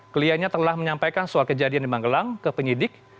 kliennya telah menyampaikan soal kejadian di magelang ke penyidik